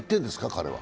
彼は。